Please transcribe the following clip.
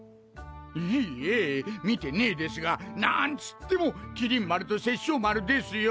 いいえ見てねえですがなんつっても麒麟丸と殺生丸ですよ。